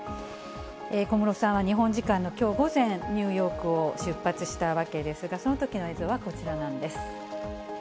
小室さんは日本時間のきょう午前、ニューヨークを出発したわけですが、そのときの映像はこちらなんです。